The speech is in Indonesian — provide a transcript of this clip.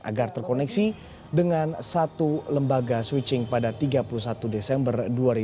agar terkoneksi dengan satu lembaga switching pada tiga puluh satu desember dua ribu dua puluh